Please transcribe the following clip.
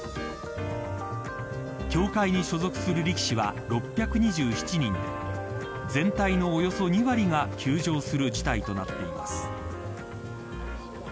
協会に所属する力士は６２７人で全体のおよそ２割が休場する事態となっています。